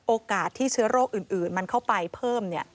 โอกาสที่เชื้อโรคอื่นมันเข้าไปเพิ่ม